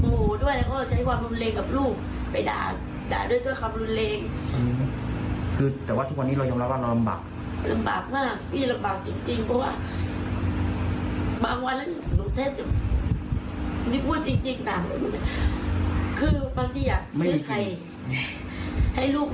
เพราะว่าังคงคือภาคที่อยากซื้อไข่ให้ลูกได้กินเผ็ดไข่๒๐บาทก็ยินตีสองบาทนะครับ